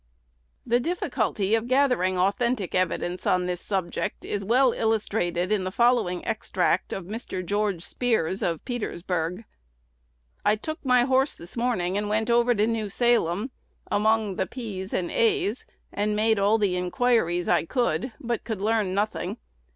The difficulty of gathering authentic evidence on this subject is well illustrated in the following extract from Mr. George Spears of Petersburg: "I took my horse this morning, and went over to New Salem, among the P s and A s, and made all the inquiries I could, but could learn nothing.